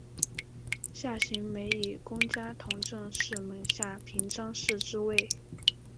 夏行美以功加同政事门下平章事之位。